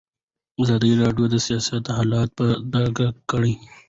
ازادي راډیو د سیاست حالت په ډاګه کړی.